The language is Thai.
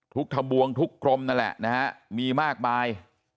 ทะบวงทุกกรมนั่นแหละนะฮะมีมากมาย